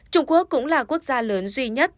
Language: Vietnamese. trung quốc cũng là quốc gia lớn duy nhất